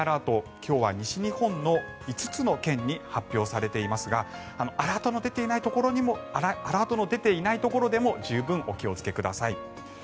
今日は西日本の５つの県に発表されていますがアラートの出ていないところでも十分お気をつけください。